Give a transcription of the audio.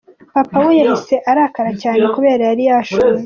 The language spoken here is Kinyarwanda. Papa we yahise arakara cyane kubera yari yashonje.